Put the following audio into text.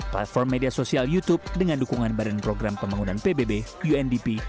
platform media sosial youtube dengan dukungan badan program pembangunan pbb undp